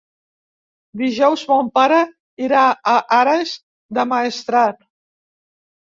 Dijous mon pare irà a Ares del Maestrat.